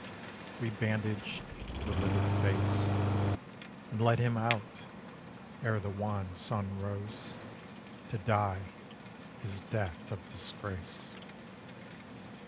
We bandaged the livid face; And led him out, ere the wan sun rose, To die his death of disgrace.